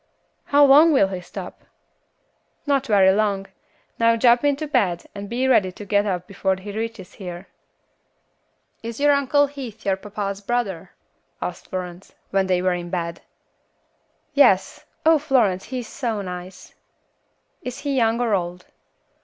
"How long will he stop?" "Not very long. Now jump into bed and be ready to get up before he reaches here." "Is your Uncle Heath your papa's brother?" asked Florence, when they were in bed. "Yes. Oh! Florence, he is so nice." "Is he young or old?"